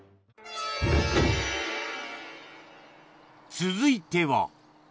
続いては